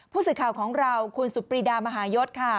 ผู้สื่อข่าวของเราคุณสุดปรีดามหายศค่ะ